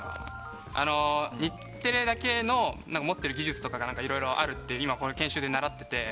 日テレだけの持っている技術がいろいろあるって研修で習っていて。